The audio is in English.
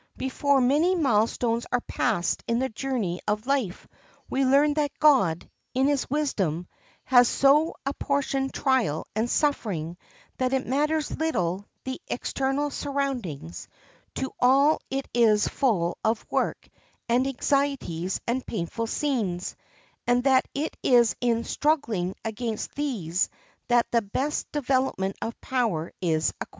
Before many milestones are passed in the journey of life we learn that God, in his wisdom, has so apportioned trial and suffering that it matters little the external surroundings; to all it is full of work and anxieties and painful scenes, and that it is in struggling against these that the best development of power is acquired.